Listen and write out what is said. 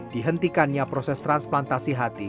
dihentikannya proses transplantasi hati